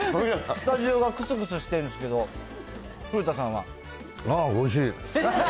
スタジオがくすくすしてるんですけれども、古田さまあ、おいしい。